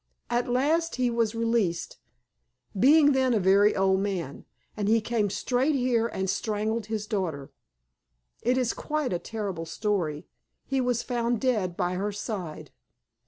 At last he was released, being then a very old man, and he came straight here and strangled his daughter. It is quite a terrible story. He was found dead by her side.